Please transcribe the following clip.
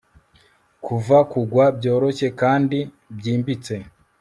Kuva kugwa byoroshye kandi byimbitse